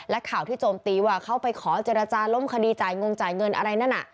และข่าวที่โจมตีว่าเขาไปขอเจรจาล้มคดีจ่ายงงจ่ายเงินอะไรนั่นน่ะ